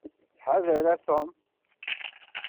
Ttḥadar a Tom.